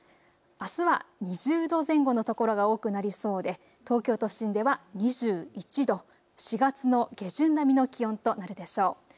あすは２０度前後の所が多くなりそうで東京都心では２１度、４月の下旬並みの気温となるでしょう。